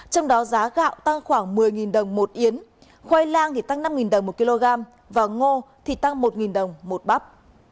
trong đó giá gạo tăng khoảng một mươi đồng một yến khoai lang tăng năm đồng một kg và ngô thì tăng một đồng một bắp